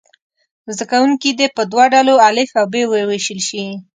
زده کوونکي دې په دوه ډلو الف او ب وویشل شي.